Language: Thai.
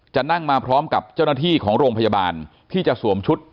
นั่งมาพร้อมกับเจ้าหน้าที่ของโรงพยาบาลที่จะสวมชุด